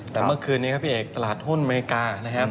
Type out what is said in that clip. แต่เมื่อคืนนี้ครับพี่เอกตลาดหุ้นอเมริกานะครับ